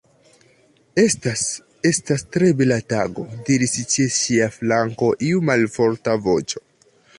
"Estas... estas tre bela tago," diris ĉe ŝia flanko iu malforta voĉo.